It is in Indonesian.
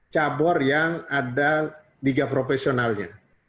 cabur yang ada tiga profesionalnya